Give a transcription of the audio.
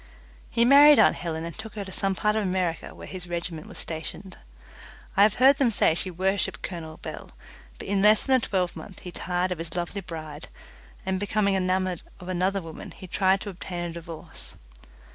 He married aunt Helen and took her to some part of America where his regiment was stationed. I have heard them say she worshipped Colonel Bell, but in less than a twelvemonth he tired of his lovely bride, and becoming enamoured of another woman, he tried to obtain a divorce.